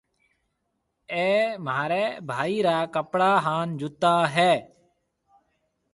اَي مهارَي ڀائِي را ڪپڙا هانَ جُتا هيَ۔